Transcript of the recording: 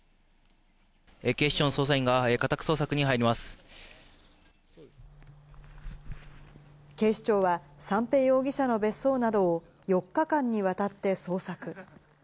警視庁の捜査員が家宅捜索に警視庁は、三瓶容疑者の別荘などを、４日間にわたって捜索。